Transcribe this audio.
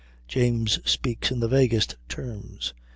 James speaks in the vaguest terms.